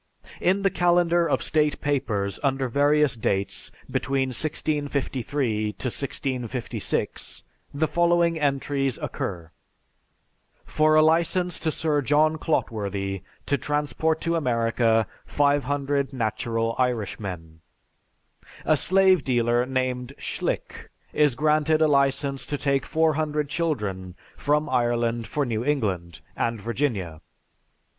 In the Calendar of State Papers, under various dates, between 1653 1656, the following entries occur: 'For a license to Sir John Clotworthy to transport to America 500 natural Irishmen.' A slave dealer, named Schlick, is granted a license to take 400 children from Ireland for New England, and Virginia.